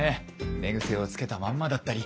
寝癖をつけたまんまだったり。